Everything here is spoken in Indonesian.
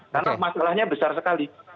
karena masalahnya besar sekali